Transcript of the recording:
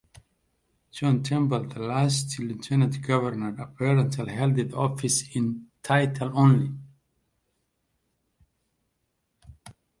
John Temple, the last lieutenant governor, apparently held the office in title only.